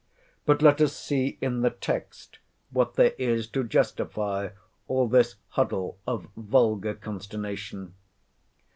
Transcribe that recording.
But let us see in the text what there is to justify all this huddle of vulgar consternation.